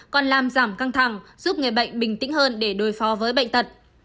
còn làm giảm căng thẳng giúp người bệnh bình tĩnh hơn để đối phó với bệnh tật